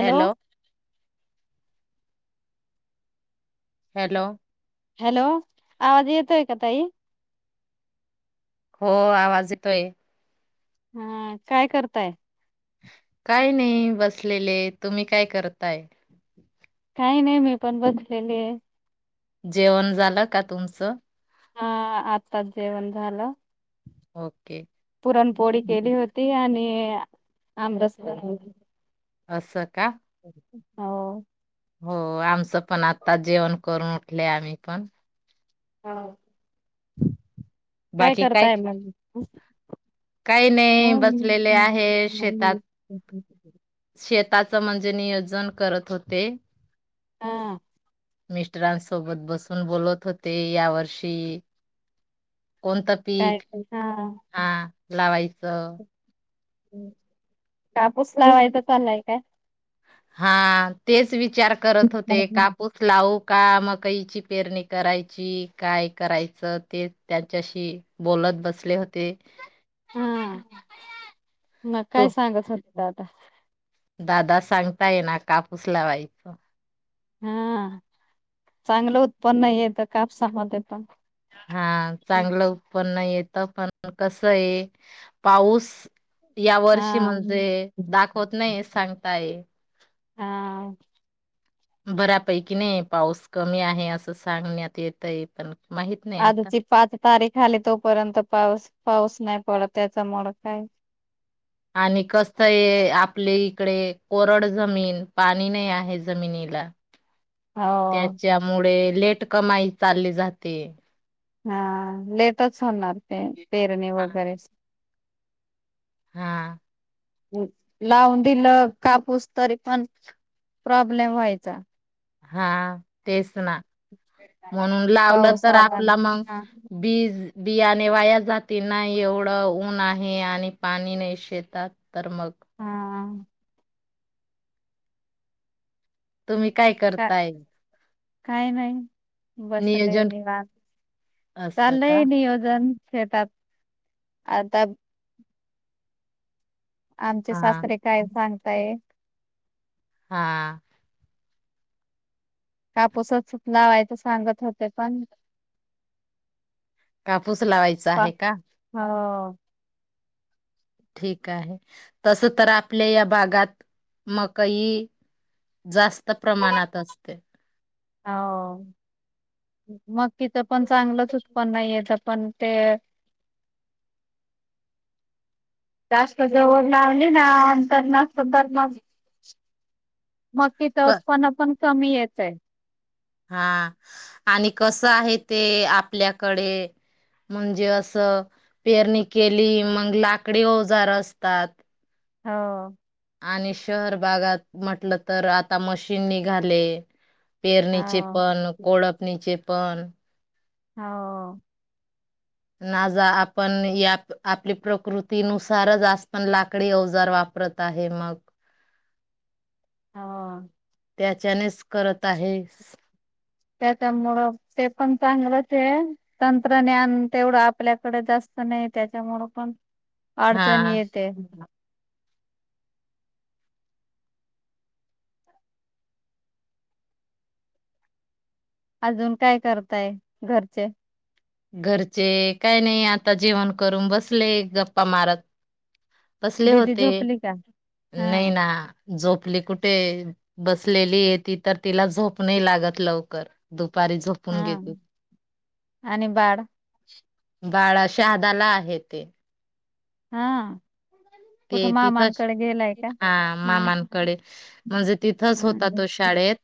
Hello hello hello आवाज येतोय का ताई हो आवाज येतोय हा काय करताय काय नाही बसलेले तुम्ही काय करताय काही नाही मी पण बसलेली आहे जेवण झालं का तुमचं हा आत्ताच जेवण झालं ओके पुरणपोळी केली होती आणि आम रस असं का हो हो आमचं पण आता जेवण करून उठले आम्ही पण हा काय करताय मग काही नाही बसलेले आहे, शेतात शेत त्याच म्हणजे नियोजन करत होते. हा मिस्टरांसोबत बसून बोलत होते या वर्षी, कोणता काय पीक हा हा लावाई स हम् कापूस लावायचा चाललाय काय, हा तेच विचार करत होते कापूस लाव का मकईची पेरणी करायची काय करायचं ते त्यांच्याशी बोलत बसले होते. हा हम्म. मग काय तो सांगत होते. ता दादा सांगताय ना कापूस लावायचं. हा चांगलं उत्पन्न येत कापसा मध्ये पण हा चांगलं उत्पन्न येत. आता पण कस आहे, पाऊस या वर्षी म्हणजे हा दाखवत नाही सांगताय हा बऱपैकी नाही पाऊस कमी आहे असं सांगण्यात येतय पण माहित नाही आता, तारीखाली तोपर्यंत पाऊस पाऊस नाही पडत त्याचा मळ काय आणि कस आहे आपले इकडे कोरड जमीन पाणी नाही आहे जमिनीला हो त्याच्यामुळे लेट कमाई चालली जाते, हा लेटच होणार, पेरणे हा वगैरे हा लावून दिलं कापूस तरी पण प्रॉब्लेम व्हायचा, हा तेच म्हणून लावलं पाऊस तर आला आपलं मग हा बीज बियाने वाया जातील नाही एवढं ऊन आहे, आणि पाणी नाही शेतात. तर मग हा तुम्ही काय करताय? काय नाही. बसलय नियोजन निवांत, असं चाललंय का नियोजन शेतात आता आमचे हा. सासरे काय सांगताय हा कापूसच लावायचं सांगत होत्या, पण कापूस लावायचा पा आहे का? [unintelligible] ठीक आहे तस तर आपल्या या भागात मकई, जास्त प्रमाणात असते. अ हो मग तिथं पण चांगलंच उत्पन्न येत, पण ते जास्त जवळ लावलीना नसतं तर मग क तिथच पण आपण कमी येतंय हा आणि कसं आहे ते आपल्याकडे म्हणजे असं पेरणी केली मग लाकडी औजार असतात. हो आणि शहर भागात म्हटलं तर आता मशीन निघाले पेरणी चेे हो पण, कोळपनीचे पण हो आज आपण या आपली प्रकृतीनुसारच जास्त लाकडी औजार वापरत आहे मग हा त्याच्यानेच करत आहे. त्याच्यामुळं ते पण चांगलंचय, हे तंत्रज्ञान तेवढं आपल्याकडे जास्त नाही त्याच्यामुळं पण अडचणी हा येते अजून काय करताय, घरचे? घरचे काय नाही आता जेवण करून बसले, गप्पा मारत, बसले दिदी होते झोपली का? नाही हा ना, झोपली कुठे बसलेलीय तीथ तिला झोप नाही लागत लवकर दु दुपारी झोपून हा घेते. आणि बाळ बाळा, शहादाला आहे ते हा ते कुठं तिथच मामांकडे गेलाय का? हा हा मामांकडे म्हणजे तिथंच होता हा तो शाळेत,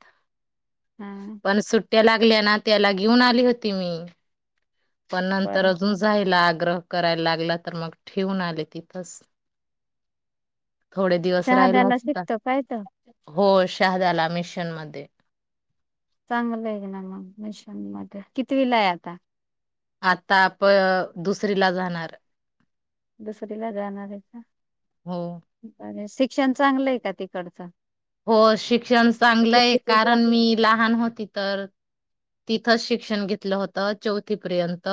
हा पण सुट्टी सुट्टया, लागल्या ना त्याला घेऊन आली होती मी पण नंतर बरं अजून जायला आ ग्रह करायला लागला तर मग ठेवून आले तिथच शहाद्याला शिकतो काय इथ? हो शहादयाला मिशन मध्ये. चांगलं आहे ना मग मिशन मध्ये, कितीवीलाय आता? आता प अ दुसरीला जाणार. दुसरी ला जाणारे का? हो आणि सि शिक्षण चांगलंय का तिकडचं. हो शिक्षण चांगलंय कारण मी लहान होती. तर तिथंच शिक्षण घेतलं होतं चौथीपर्यंत.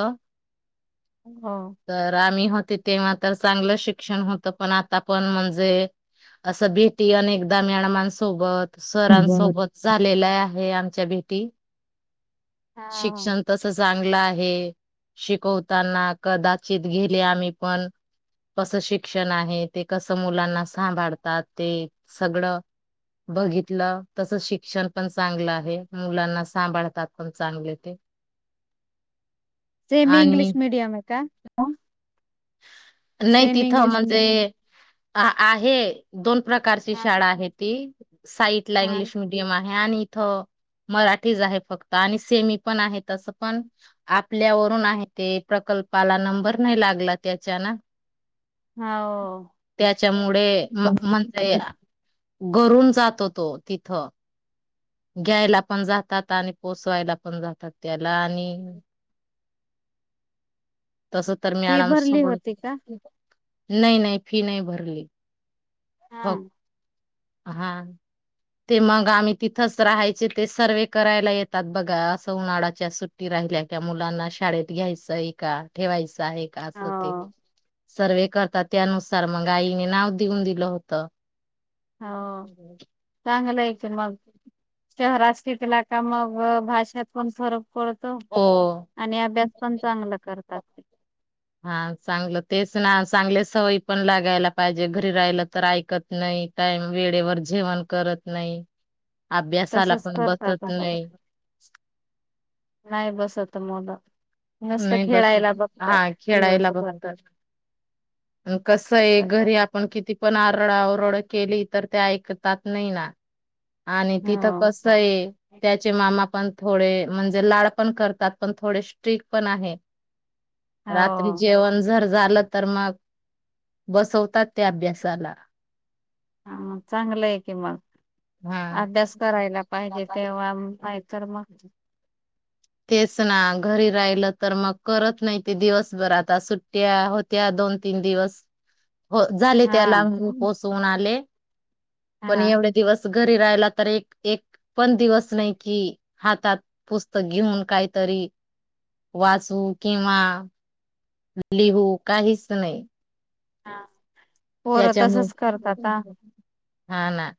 हो तर आम्ही होत. ते तेव्हा तर चांगलं शिक्षण होत. तर पण आता पण म्हणजे असं भेटी अनेकदा म्याडमांसोबत बर सरांसोबत झालेल्या. हे आमच्या भेटी. हा शिक्षण तस चांगलं. शला आहे. शिकवताना कदाचित गेले आम्ही पण कसं शिक्षण आहे ते कसं मुलांना सांभाळतात ते सगळं बघितलं. तस शिक्षण पण चांगलं आहे. मुलांना सांभाळ तात पण चांगले ते. सेमी इंग्लिश आणि मीडयम मे का? [unintelligible] नाही सेमी तिथं इंग्लिश म्हणजे मिडियम अ आहे दोन प्रकारची हा शाळा आहे ती, साईट ला इंग्लिश मिीडियम आहे. आणि इथं मराठीच आहे फक्त. आणि सेमी पण आहे. तसपण आपल्यावरून आहे ते प्रकल्पाला नंबर नाही लागला त्याच्या ना. हा हो त्याच्यामुळे म म्हणतायत घरून जातो तो तिथं. घ्यायला पण जातात आणि पोचवायला पण जातात त्याला आणि तस तर फी मॅडम भरली सोडून होती का नाही नाही फी नाही भरली. फक्त हां. हा, ते मग आम्ही तिथच राहायचे ते सर्वे करायला येतात बघा असं उन्हाळ्याच्या सुट्टी राहिल्या का मुलांना शाळेत घ्यायचंय का? ठेवायचं आहे का अस ते हो सर्वे करता त्यानुसार मग आईने नाव देऊन दिलं होत. हो चांगलं आहे की मग शहरात शिकला का मग भाषात पण फरक पळतो हो आणि अभ्यास पण चांगला करतो. [unintelligible] हा चांगलं तेच ना चांगल्या सवयी पण लागायला पाहिजे. घरी राहिलं तर ऐकत नाही टाईम वेळेवर जेवण करत नाही. अभ्यासाला तसच पण करतात बसत नाही [unintelligible] नाही बसत मुलं. नुसतं नाही बसत खेळायला बघतात हा खेळायला दिवस भर बघतात कस आहे घरी आपण किती पण आरडाहोत [unintelligible] केली तर ते ऐकतात नाही ना आणि हो तिथं कस आहे त्याचे मामा पण? थोडे म्हणजे लाड पण करतात पण थोडेसे स्ट्रिक पण आहे. रात्री हो जेवण जर झालं तर मग बसवतात ते अभ्यासाला. हा चांगलं आहे कि मग हा. अभ्यास करायला पाहिजे तेव्हा माहीत तर मग तेच ना घरी राहिल तर मग करत नाही ते दिवसभर आता सुट्ट्या होत्या दोन तीन दिवस. हो झाले हा त्यालाही पोसवून आले पण हा एवढे दिवस? घरी राहिला तर एक एक पण दिवस नाही कि हातात पुस्तक घेऊन काहीतरी वाचू किंवा लिहू काहीच नाही. हां. पोरं तसच त्याच्यामुळे करतात आ हा ना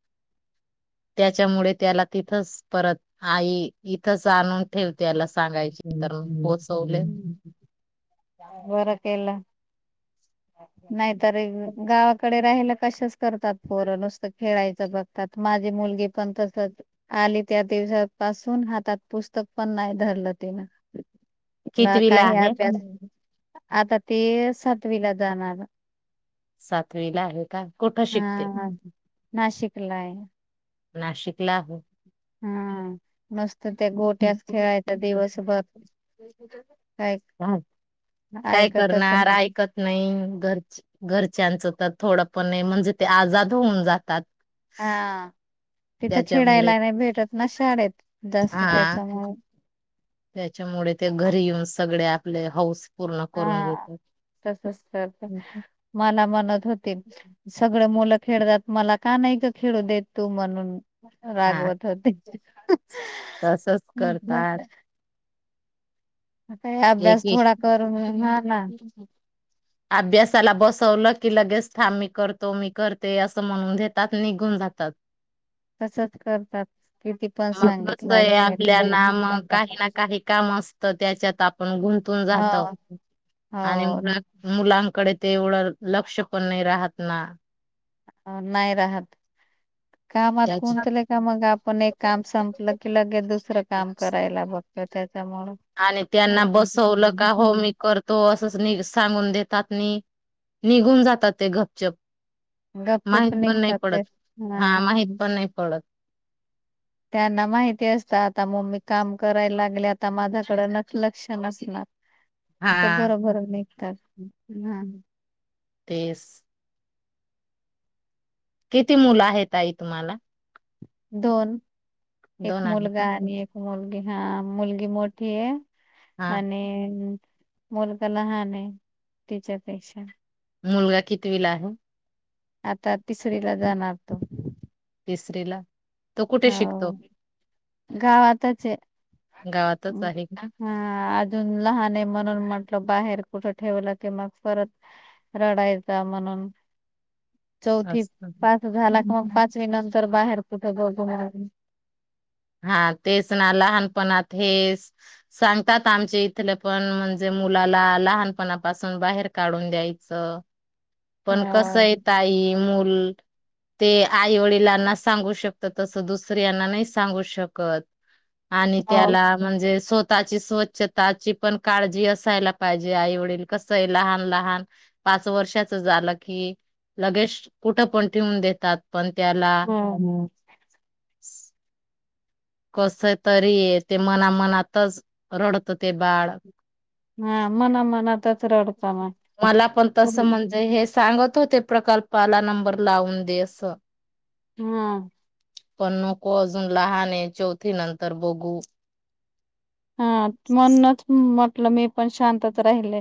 त्याच्यामुळे त्याला तिथच परत आई इथच आणून ठेव त्याला सांगायची तर मग पोचवले. बर केल. नाही. गावाकडे. राहिल की अशच करतात पोर नुसत खेळायचं बघतात माझी मुलगी पण तसच आली त्या दिवसा पाासून हातात पुस्तक पण नाही धरलं तिन. ना कितवीला काही आहे? अभ्यास. आता ती सातवीला जाणार. सातवी ला आहे का. कुठं शिकते? हा नाशिकला आहे. नाशिक. ला आहे. हम्म. मस्त त्या गोठ्यात खेळायचं दिवसभर. [inaudible] हा काय ऐकतच करणार नाही ऐकत नाही घरचे घरच्यांचं तर थोडं पण म्हणजे ते आजाद होऊन जातात. हा तिथं त्याच्यामुळे खेळायला नाही भेटत ना शाळेत तसं हा त्याच्यामुळे. त्याच्यामुळे ते घरी येऊन सगळे आपले हौस पूर्ण करून हा घेतात. तसंच तर मला म्हणत होती सगळी मुलं खेळतात मला का नाही का खेळू देत तू म्हणून हा रागवत होती. तसच करतात एक थोडा करून हा ना क अभ्यासाला बसवलं की लगेच थांब मी करतो मी करते असं म्हणून देतात निघून जातात. तसंच करतात किती पण मग सांगितलं कसं आणि आहे काय [inaudible] आपल्याला तर त्याच्यात आप् पण गुंतून जातो आणि हो मुलांच कडे ते एवढं लक्ष पण नाही राहत ना. अ नाही राहत. कामात त्याची गुंतले का मग आपण एक काम संपलं की लगेच दुसरं काम करायला बघतो त्याच्यामुळे आणि त्यांना बसवलं का हो मी करतो असंच नि सांगून देतात नी निघून जातात ते घपचप माहित गपचूप पण नाही निघतात ते पडत हा माहित पण नाही कळत. त्यांना माहिती असतंं आता मम्मी काम करायला लागले आता माझ्याकडं न लक्ष्य नसणार. तर हा बरोबर निघतात हा. तेच किती मुलं आहे ताई तुम्हाला? दोन एक दोन आहे का मुलगा आणि एक मुलगी. हा मुलगी मोठी आहे. हा आणि मुलगा लहान आहे तिच्यापेक्षा मुलगा कितवीला आहे. आता तिसरी ला जाणार तो. तिसरीला. तो कुठे शिकतो. हो गावातच आहे. गावातच आहे ना, हा लहान आहे म्हणून म्हटलं बाहेर कुठ ठेवलं क मग परत रडायचा म्हणून, चौथी असत पास झाला क मग पाचवी नंतर बाहेर कुठे बोल हो हा तेच ना लहानपणात हे सांगतात आमचे इथले पण म्हणजे मुलाला लहानपणापासून बाहेर काढून द्यायचं. पण कस हा येत आई मुल ते आई वडिलांना सांगू शकत, तस दुसऱ्यांना नाही. सांगू शकत आणि हम्म त्याला म्हणजे स्व स्वतःची स्वच्छताची पण काळजी असायला पाहिजे, आई वडील कसं आहे लहान लहान पाच वर्षाच झालं कि लगेच कुठ पण ठेवून देतात. पण त्याला [inaudible] कस तरी ते मनामनातच रडतं ते बाळ हा मना मनातच रडता मग मला पण तस म्हणजे हे सांग ते प्रकल्पाला नंबर लावून देस हा पण नको अजून लहान आहे. चौथी नंतर बघू हा म्हणूनच मी पण शांतच राहिले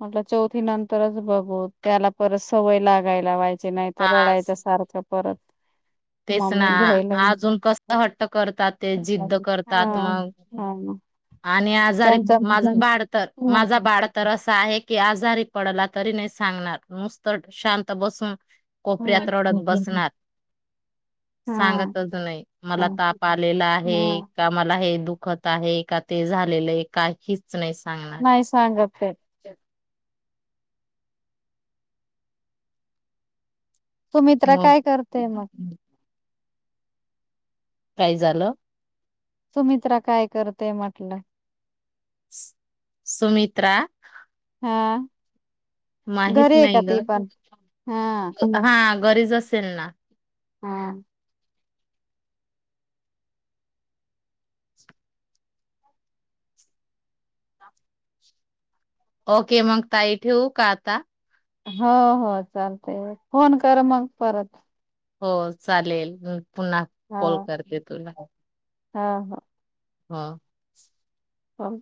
म्हटलं चौथी नंतरच बघू त्याला परत सवय लागायला व्हायची नाही तर हा रडयच सारखं परत तेच ना मम्मी घ्यायला येईल. अजून कस हट्ट करतात ते जिद्द हा करतात मग हा आणि आजारी त्यांचा माझ बाळ तर हा माझा बाळ तर असा आहे की आज, आजारी पडला तरी नाही सांगणार नुसत शांत बसून हा कोपऱ्यात रडत बसणार, सांगतच नाही मला ताप आलेला आहे का मला हे दुखत आहे. हे का ते झालेलं आहे काही नाही सांगणार. नाही सांगत ते सुमित्रा मग काय करते मग. काय झालं? सुमित्रा काय करतेय म्हटलं. सुमित्रा! हां! माहित नाही ग हा हा. घरीच असेल ना. हम! ओके मग ताई, ठेवू का आता. हो हो चालतय, फोन कर मग परत. हो चालेल. पुन्हा कॉल, करते तुला. हा हा! हा! हो.